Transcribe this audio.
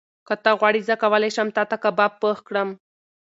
که ته غواړې، زه کولی شم تاته کباب پخ کړم.